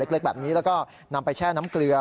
เล็กแบบนี้แล้วก็นำไปแช่น้ำเกลือ